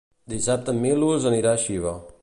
Dissabte en Milos anirà a Xiva.